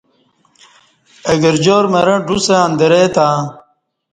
اہ گرجار مرں ڈوسݩ ا ندرہ تے